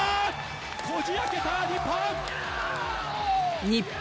こじ開けた、日本！